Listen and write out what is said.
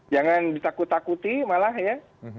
jangan ditakut takuti malah ya